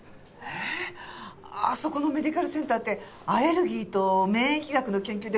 ええ！？あそこのメディカルセンターってアレルギーと免疫学の研究で突出してるもの。